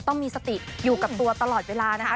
ต้องมีสติอยู่กับตัวตลอดเวลานะคะ